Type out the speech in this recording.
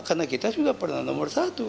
karena kita sudah pernah nomor satu